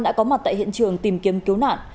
đã có mặt tại hiện trường tìm kiếm cứu nạn